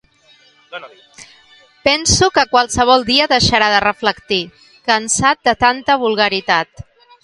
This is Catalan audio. Penso que qualsevol dia deixarà de reflectir, cansat de tanta vulgaritat.